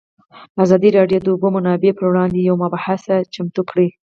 ازادي راډیو د د اوبو منابع پر وړاندې یوه مباحثه چمتو کړې.